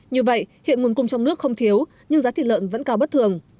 như vậy hiện nguồn cung trong nước không thiếu nhưng giá thịt lợn vẫn cao bất thường